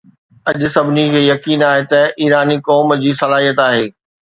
اڄ، سڀني کي يقين آهي ته ايراني قوم جي صلاحيت آهي